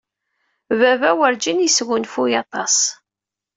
Baba werjin yesgunfuy aṭas.